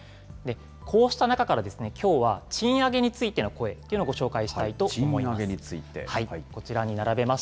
こうした中から、きょうは賃上げについての声っていうのをご紹介したいと思います。